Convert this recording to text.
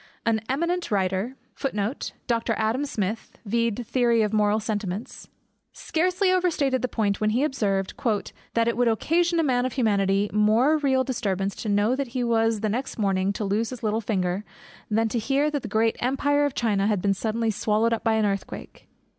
An eminent writer scarcely overstated the point when he observed, "that it would occasion a man of humanity more real disturbance to know that he was the next morning to lose his little finger, than to hear that the great empire of China had been suddenly swallowed up by an earthquake.